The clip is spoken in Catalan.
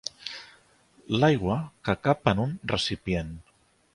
L'aigua que cap en un recipient.